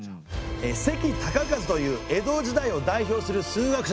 関孝和という江戸時代を代表する数学者ですね。